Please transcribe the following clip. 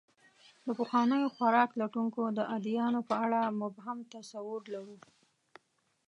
د پخوانیو خوراک لټونکو د ادیانو په اړه مبهم تصور لرو.